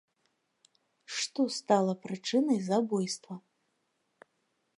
Што стала прычынай забойства?